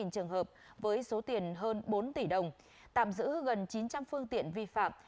hai mươi trường hợp với số tiền hơn bốn tỷ đồng tạm giữ gần chín trăm linh phương tiện vi phạm